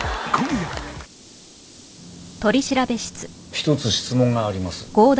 一つ質問があります。